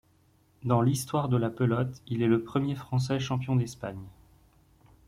Dans l'histoire de la pelote, il est le premier français champion d'Espagne.